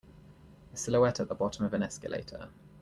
A silhouette at the bottom of an escalator.